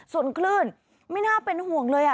ส่วนคลื่นไม่น่าเป็นห่วงเลย